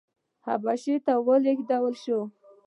حبشې ته ولېږل شو.